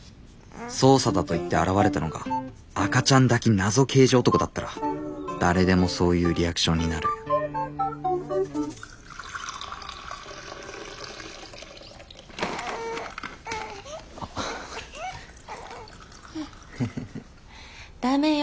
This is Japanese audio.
捜査だといって現れたのが赤ちゃん抱き謎刑事男だったら誰でもそういうリアクションになるダメよ